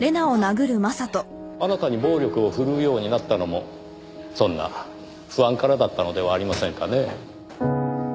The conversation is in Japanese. あなたに暴力を振るうようになったのもそんな不安からだったのではありませんかね？